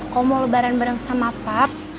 kamu mau lebaran bareng sama pub